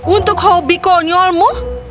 untuk hobi konyolmu